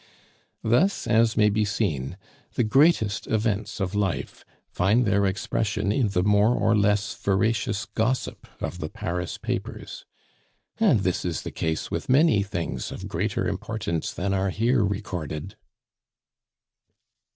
Thus, as may be seen, the greatest events of life find their expression in the more or less veracious gossip of the Paris papers. And this is the case with many things of greater importance than are here recorded.